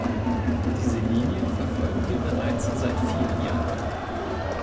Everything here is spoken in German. Diese Linie verfolgen wir bereits seit vielen Jahren.